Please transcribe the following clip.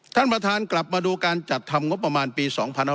ท่านประธานกลับมาดูการจัดทำงบประมาณปี๒๕๖๒